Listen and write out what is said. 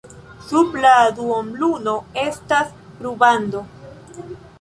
Sub la duonluno estas rubando.